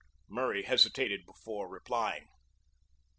Murray hesitated before replying.